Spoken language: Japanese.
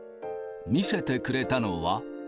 見せてくれたのは。